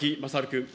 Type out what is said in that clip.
君。